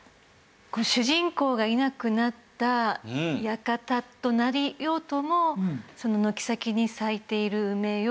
主人公がいなくなった館となりようとも軒先に咲いている梅よ